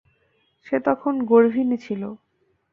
সে তখন গর্ভিণী ছিল।